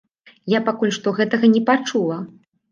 Я пакуль што гэтага не пачула.